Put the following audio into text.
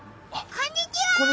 こんにちは！